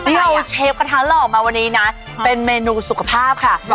เชฟกระทะหล่อมาวันนี้นะเป็นเมนูสุขภาพค่ะ